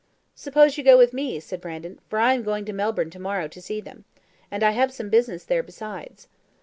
"Suppose you go with me," said Brandon; "for I am going to Melbourne to morrow to see them, and I have some business there besides."